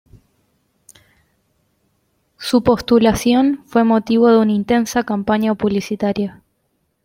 Su postulación fue motivo de una intensa campaña publicitaria.